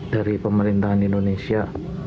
dari pemerintahan indonesia